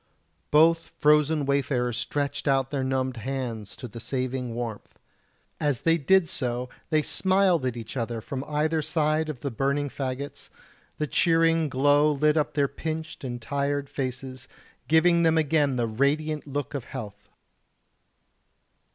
Both frozen wayfarers stretched out their numbed hands to the saving warmth. As they did so they smiled at each other from either side of the burning faggots; the cheering glow lit up their pinched and tired faces, giving them again the radiant look of health.